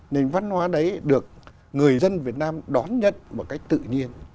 nền văn hóa đấy được người dân việt nam đón nhận một cách tự nhiên